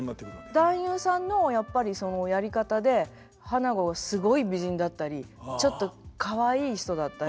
男優さんのやっぱりそのやり方で花子がすごい美人だったりちょっとかわいい人だったり。